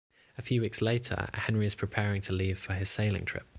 A few weeks later, Henry is preparing to leave for his sailing trip.